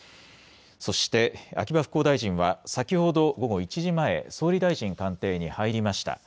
そして秋葉復興大臣は先ほど午後１時前、総理大臣官邸に入りました。